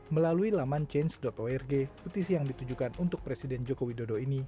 melalui laman change org petisi yang ditujukan untuk presiden joko widodo ini